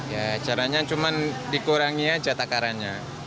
ya caranya cuma dikurangi ya jatak karannya